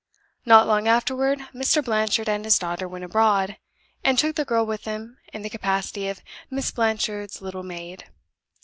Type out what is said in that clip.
Not long afterward Mr. Blanchard and his daughter went abroad, and took the girl with them in the capacity of Miss Blanchard's little maid.